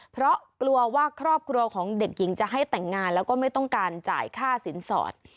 เพราะกลัวว่าครอบครัวของเด็กหญิงจะให้แต่งงานแล้วก็ไม่ต้องการจ่ายค่าสินสอด